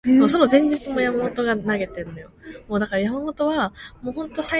선비는 입에 손을 대고 기침을 가볍게 하였다.